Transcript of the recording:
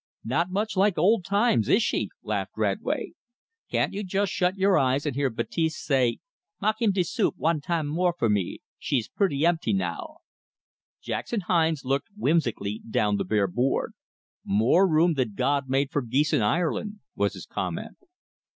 "Not much like old times, is she?" laughed Radway. "Can't you just shut your eyes and hear Baptiste say, 'Mak' heem de soup one tam more for me'? She's pretty empty now." Jackson Hines looked whimsically down the bare board. "More room than God made for geese in Ireland," was his comment.